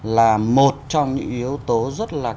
là một trong những yếu tố rất là